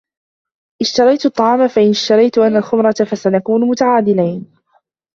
اشتريتَ الطعام ، فإن اشتريتُ أنا الخمرة فسنكون متعادلين.